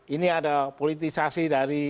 ini ada politisasi dari